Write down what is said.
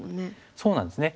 そうなんですね。